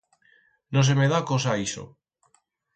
No se me da cosa ixo.